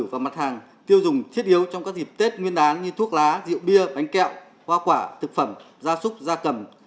và mặt hàng tiêu dùng thiết yếu trong các dịp tết nguyên đáng như thuốc lá rượu bia bánh kẹo hoa quả thực phẩm da súc da cầm